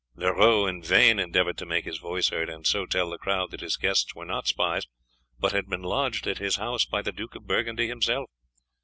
Leroux in vain endeavoured to make his voice heard, and so tell the crowd that his guests were not spies, but had been lodged at his house by the Duke of Burgundy himself.